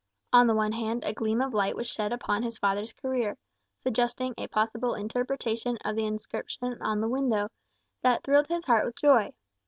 On the one hand, a gleam of light was shed upon his father's career, suggesting a possible interpretation of the inscription on the window, that thrilled his heart with joy.